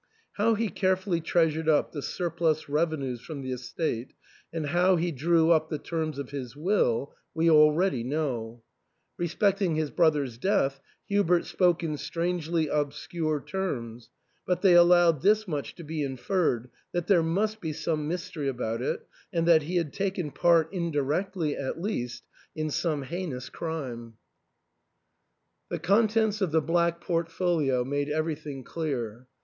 How he carefully treasured up the surplus revenues from the estate, and how he drew up the terms of his will, we already know. Respecting his brother's death, Hubert spoke in strangely obscure terms, but they allowed this much to be inferred, that there must be some mystery about it, and that he had taken part, indirectly, at least, in some heinous crime. THE ENTAIL. 317 The contents of the black portfolio made everything clear.